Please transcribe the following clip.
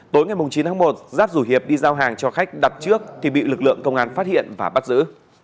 tối ngày chín tháng một giáp rủ hiệp đi giao hàng cho khách đặt trước thì bị lực lượng công an phát hiện và bắt giữ